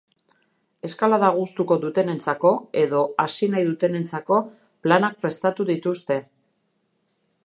Eskalada gustuko dutenentzako edo hasi nahi dutenentzako planak perstatu dituzte.